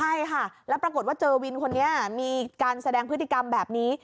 ใช่ค่ะแล้วปรากฏว่าเจอวินคนนี้มีการแสดงพฤติกรรมแบบนี้